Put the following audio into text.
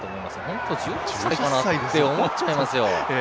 本当、１８歳かな？って思っちゃいますよ。